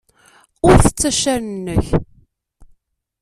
Ur ttett accaren-nnek.